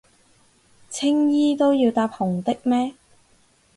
青衣都要搭紅的咩？